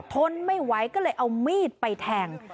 ทนไม่ไหวก็เลยเอามีดไปแทง